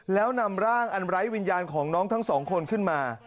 แล้วนำร่างอันไร้วิญญาณของน้องทั้งสองคนขึ้นมา